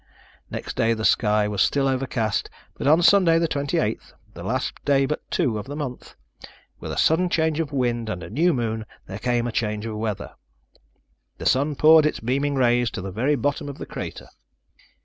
Next day the sky was still overcast, but on Sunday, the 28th, the last day but two of the month, with a sudden change of wind and a new moon there came a change of weather. The sun poured its beaming rays to the very bottom of the crater.